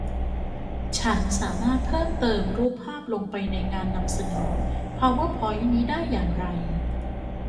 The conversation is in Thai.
ฉันสามารถเพิ่มเติมรูปภาพลงไปในงานนำเสนอพาวเวอร์พ้อยนี้ได้อย่างไร